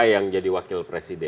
yang jadi wakil presiden